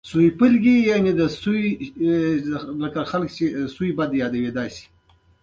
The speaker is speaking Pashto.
بنده چې خپل درون صفا کړي.